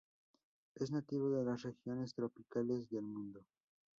Es nativo de las regiones tropicales del mundo.